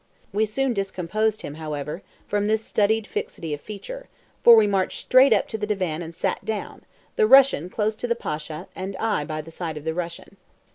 We soon discomposed him, however, from this studied fixity of feature, for we marched straight up to the divan and sat down, the Russian close to the Pasha, and I by the side of the Russian.